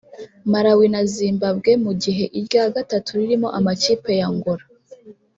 Malawi na Zimbabwe mu gihe irya gatatu ririmo amakipe ya Angola